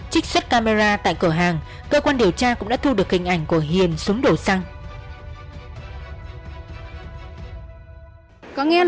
trích xuất camera tại cửa hàng cơ quan điều tra cũng đã thu được hình ảnh của hiền xuống đổ xăng